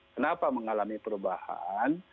kenapa mengalami perubahan